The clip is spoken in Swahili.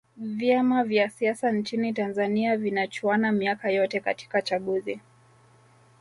vyama vya siasa nchini tanzania vinachuana miaka yote katika chaguzi